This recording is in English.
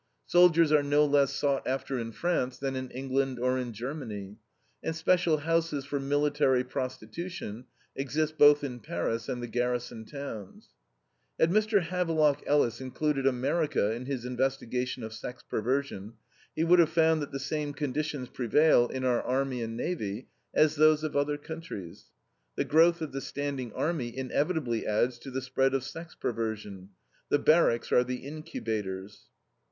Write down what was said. "Soldiers are no less sought after in France than in England or in Germany, and special houses for military prostitution exist both in Paris and the garrison towns." Had Mr. Havelock Ellis included America in his investigation of sex perversion, he would have found that the same conditions prevail in our army and navy as in those of other countries. The growth of the standing army inevitably adds to the spread of sex perversion; the barracks are the incubators.